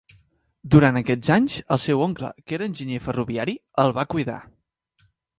Durant aquests anys, el seu oncle, que era enginyer ferroviari, el va cuidar.